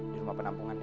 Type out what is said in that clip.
di rumah penampungan ya